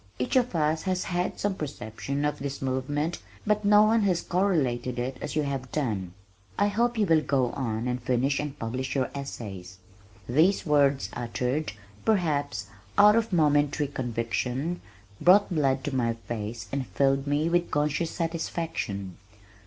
"Each of us has had some perception of this movement but no one has correlated it as you have done. I hope you will go on and finish and publish your essays." These words uttered, perhaps, out of momentary conviction brought the blood to my face and filled me with conscious satisfaction.